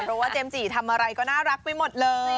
เพราะว่าเจมส์จีทำอะไรก็น่ารักไปหมดเลย